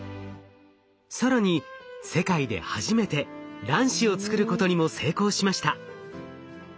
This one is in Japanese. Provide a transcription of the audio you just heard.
更に世界で初めて卵子を作ることにも成功しました。